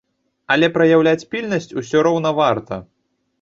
Але праяўляць пільнасць ўсё роўна варта.